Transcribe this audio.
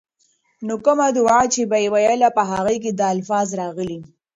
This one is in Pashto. نو کومه دعاء چې به ئي ويله، په هغې کي دا الفاظ راغلي: